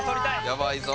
やばいぞ。